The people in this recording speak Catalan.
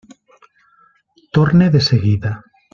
Torne de seguida.